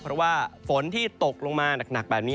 เพราะว่าฝนที่ตกลงมาหนักแบบนี้